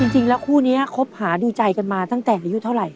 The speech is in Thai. จริงแล้วคู่นี้คบหาดูใจกันมาตั้งแต่อายุเท่าไหร่